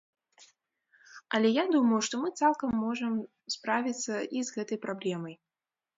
Але я думаю, што мы цалкам можам справіцца і з гэтай праблемай.